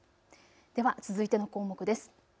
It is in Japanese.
では続いての項目です。